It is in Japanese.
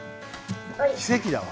奇跡だわ。